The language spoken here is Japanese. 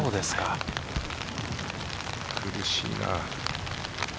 苦しいな。